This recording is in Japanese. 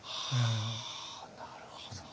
なるほど。